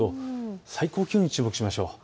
最高気温に注目しましょう。